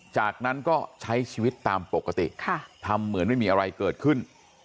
จากนั้นก็ใช้ชีวิตตามปกติทำเหมือนไม่มีอะไรเกิดขึ้น